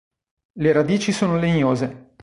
Le radici sono legnose.